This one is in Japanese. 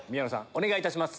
お願いいたします。